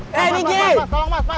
bagus lah om tante